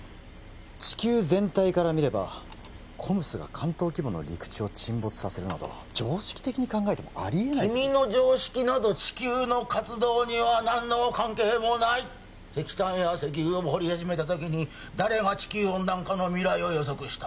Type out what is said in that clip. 地球全体からみればＣＯＭＳが関東規模の陸地を沈没させるなど常識的に考えてもありえない君の常識など地球の活動には何の関係もない石炭や石油を掘り始めた時に誰が地球温暖化の未来を予測した？